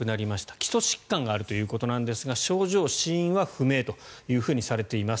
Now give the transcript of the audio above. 基礎疾患があるということですが症状、死因は不明とされています。